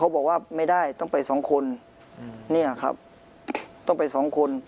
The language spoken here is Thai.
บอกว่าไม่ได้ต้องไปสองคนเนี่ยครับต้องไปสองคน